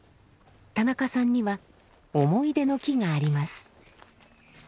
田中さんには思い出の木があります。